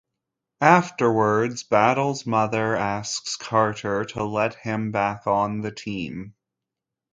Afterwards, Battle's mother asks Carter to let him back on the team.